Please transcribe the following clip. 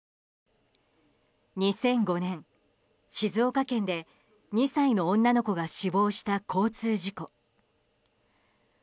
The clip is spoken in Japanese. ２００５年、静岡県で２歳の女の子が死亡した交通事故。